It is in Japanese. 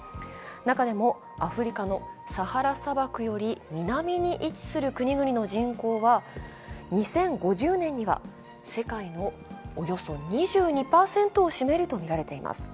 中でもアフリカのサハラ砂漠より南に位置する国々の人口は２０５０年には世界のおよそ２２％を占めるとみられています。